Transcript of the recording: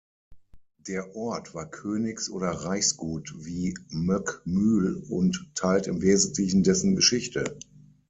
Der Ort war Königs- oder Reichsgut wie Möckmühl und teilt im Wesentlichen dessen Geschichte.